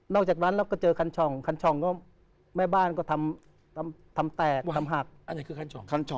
อกจากนั้นเราก็เจอคันช่องคันช่องก็แม่บ้านก็ทำแตกทำหักอันไหนคือคันช่องคันช่อง